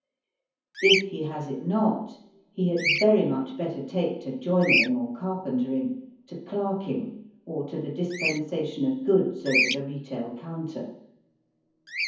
If he has it not, he had very much better take to joinering or carpentering, to clerking, or to the dispensation of goods over the retail counter.